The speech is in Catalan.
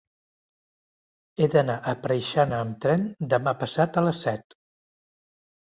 He d'anar a Preixana amb tren demà passat a les set.